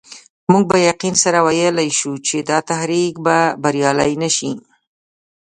موږ په یقین سره ویلای شو چې دا تحریک به بریالی نه شي.